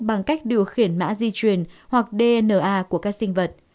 bằng cách điều khiển mã di truyền hoặc dna của các sinh vật